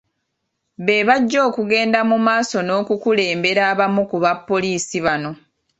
Be bajja okugenda mu maaso n’okukebera abamu ku bapoliisi bano.